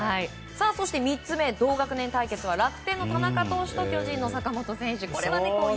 そして３つ目の同学年対決は田中投手と坂本選手。